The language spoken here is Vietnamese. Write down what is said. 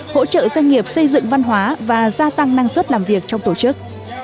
hỗ trợ doanh nghiệp xây dựng văn hóa và gia tăng năng suất làm việc trong tổ chức